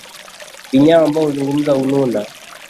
vinyao ambao wazungu hununua